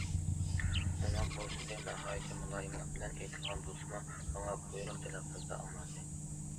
ئۇنىڭ بۇ سۆزى ناھايىتى مۇلايىملىق بىلەن ئېيتىلغان بولسىمۇ، ماڭا بۇيرۇق تەلەپپۇزدا ئاڭلاندى.